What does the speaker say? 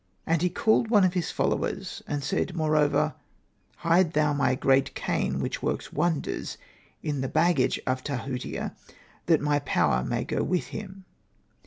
And he called one of his fol lowers, and said moreover, ^^ Hide thou my great cane, which works wonders, in the baggage of Tahutia that my power may go with him."